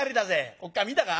おっかあ見たか？